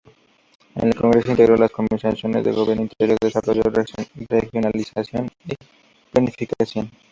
En el Congreso, integró las comisiones de Gobierno Interior, Desarrollo, Regionalización y Planificación.